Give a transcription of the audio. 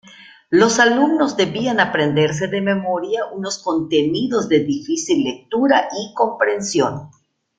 Los alumnos debían aprenderse de memoria unos contenidos de difícil lectura y comprensión.